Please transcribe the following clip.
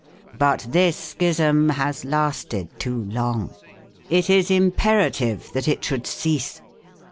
"But this schism has lasted too long. It is imperative that it should cease.